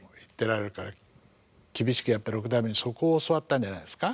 厳しくやっぱり六代目にそこを教わったんじゃないですか。